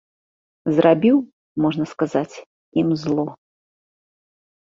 Зрабіў, можна сказаць, ім зло.